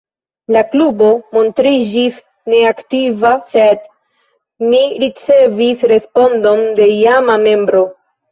La klubo montriĝis neaktiva, sed mi ricevis respondon de iama membro.